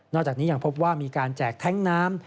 จากนี้ยังพบว่ามีการแจกแท้งน้ำ